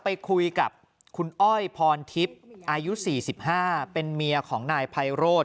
ไปคุยกับคุณอ้อยพรทิพย์อายุ๔๕เป็นเมียของนายไพโรธ